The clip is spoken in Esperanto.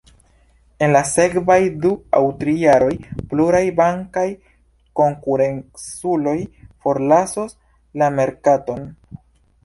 En la sekvaj du aŭ tri jaroj pluraj bankaj konkurenculoj forlasos la merkaton.